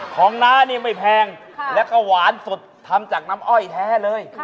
น้านี่ไม่แพงแล้วก็หวานสดทำจากน้ำอ้อยแท้เลย